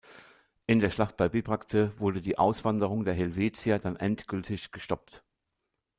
In der Schlacht bei Bibracte wurde die Auswanderung der Helvetier dann endgültig gestoppt.